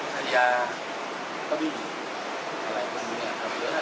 ทันยาตะบิอะไรกันเนี่ย